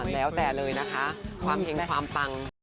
แล้วแต่เลยนะคะความเห็งความปัง